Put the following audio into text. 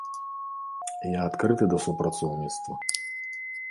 Я адкрыты да супрацоўніцтва.